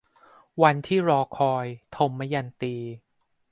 วันที่รอคอย - ทมยันตี